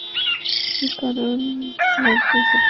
কীরকম লাগবে সেটা?